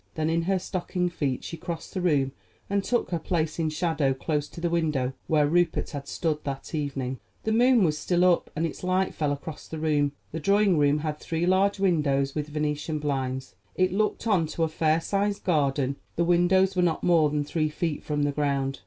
Then, in her stockinged feet she crossed the room and took her place in shadow close to the window where Rupert had stood that evening. The moon was still up, and its light fell across the room. The drawing room had three large windows with Venetian blinds. It looked on to a fair sized garden; the windows were not more than three feet from the ground.